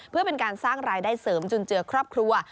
เพื่อเป็นการสร้างรายได้เสริมจุนเจือครอบครัว